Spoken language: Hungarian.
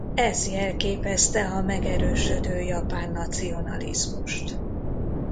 Ez jelképezte a megerősödő japán nacionalizmust.